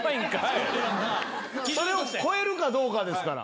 それを超えるかどうかですから。